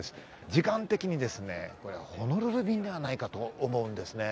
時間的にですね、ホノルル便ではないかと思うんですね。